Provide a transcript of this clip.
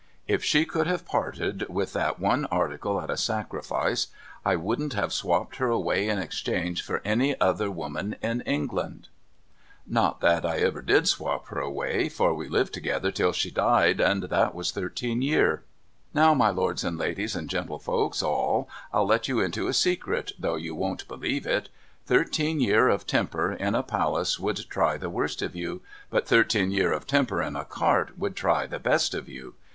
If she could have parted with that one article at a sacrifice, I wouldn't have swopped her away in exchange for any other woman in England. Not that ^eclfoi (^cai(a<?/d. BAD TEMPER IN A CART 387 I ever did swop her awa}', for we lived together till she died, and that was thirteen ) ear. Now, my lords and ladies and gentlefolks all, I'll let you into a secret, though you won't believe it. Thirteen year of temper in a Palace would try the worst of you, but thirteen year of temper in a Cart would try the best of you.